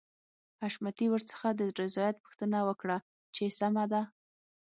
حشمتي ورڅخه د رضايت پوښتنه وکړه چې سمه ده.